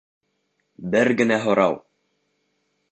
Бер генә һорау!